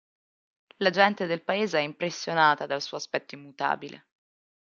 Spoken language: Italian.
La gente del paese è impressionata dal suo aspetto immutabile.